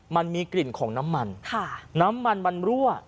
มันมีกลิ่นของน้ำมันน้ำมันมันรั่ว